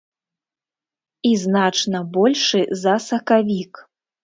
І значна большы за сакавік.